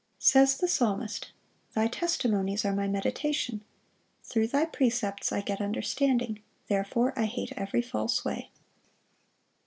Says the psalmist: "Thy testimonies are my meditation." "Through Thy precepts I get understanding: therefore I hate every false way."